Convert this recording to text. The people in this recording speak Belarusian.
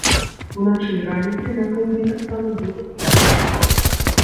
Уначы і раніцай на поўдні таксама будзе слабы туман.